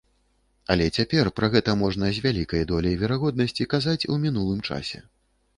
Але цяпер пра гэта можна з вялікай доляй верагоднасці казаць у мінулым часе.